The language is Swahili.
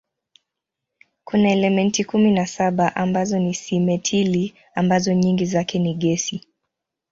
Kuna elementi kumi na saba ambazo ni simetili ambazo nyingi zake ni gesi.